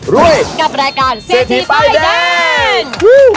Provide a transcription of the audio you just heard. กับรายการเศรษฐีป้ายแดง